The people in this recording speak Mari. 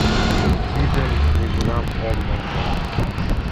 Тидым нигунам ом мондо.